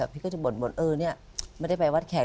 พี่ก็จะบ่นเออเนี่ยไม่ได้ไปวัดแขก